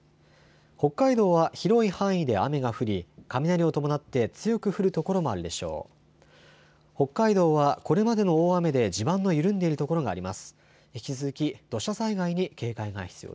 北海道は広い範囲で雨が降り雷を伴って強く降る所もあるでしょう。